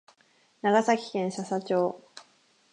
長崎県佐々町